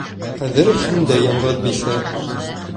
Хәҙер һин дә яңғыҙ бисә.